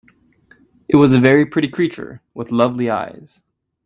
It was a very pretty creature, with lovely eyes.